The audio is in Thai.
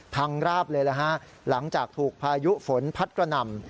ราบเลยนะฮะหลังจากถูกพายุฝนพัดกระหน่ำ